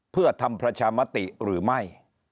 เพื่อทำประชามติหรือไม่